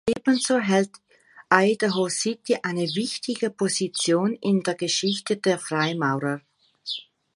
Ebenso hält Idaho City eine wichtige Position in der Geschichte der Freimaurer.